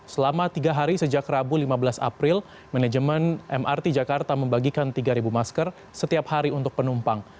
selama tiga hari sejak rabu lima belas april manajemen mrt jakarta membagikan tiga masker setiap hari untuk penumpang